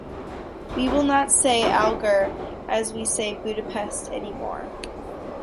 We will not say Alger as we say Budapest anymore.